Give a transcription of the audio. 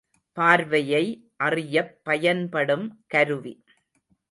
பார்வையை அறியப் பயன்படும் கருவி.